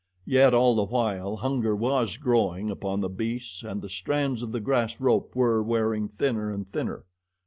Yet, all the while hunger was growing upon the beasts and the strands of the grass rope were wearing thinner and thinner.